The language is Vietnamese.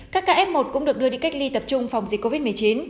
các ca f một cũng được đưa đi cách ly tập trung phòng dịch covid một mươi chín